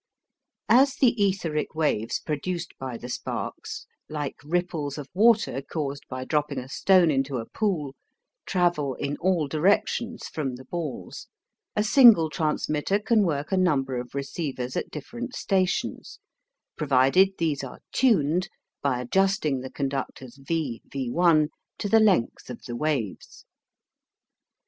As the etheric waves produced by the sparks, like ripples of water caused by dropping a stone into a pool, travel in all directions from the balls, a single transmitter can work a number of receivers at different stations, provided these are "tuned" by adjusting the conductors V Vl to the length of the waves.